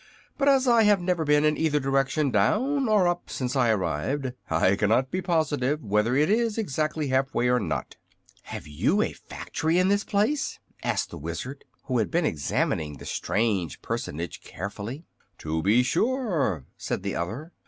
"But as I have never been in either direction, down or up, since I arrived, I cannot be positive whether it is exactly half way or not." "Have you a factory in this place?" asked the Wizard, who had been examining the strange personage carefully. "To be sure," said the other.